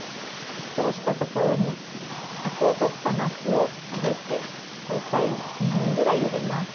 沸騰したところにあくをとったなすを入れて大体２分ぐらいゆでます。